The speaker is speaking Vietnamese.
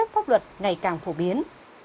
pháp luật ngày càng phổ biến